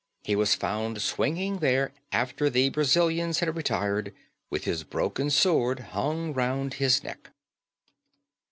He was found swinging there after the Brazilians had retired, with his broken sword hung round his neck."